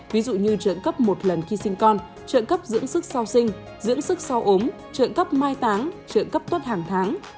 ví dụ như trợ cấp một lần khi sinh con trợ cấp dưỡng sức sau sinh dưỡng sức sau ốm trợ cấp mai táng trợ cấp tuất hàng tháng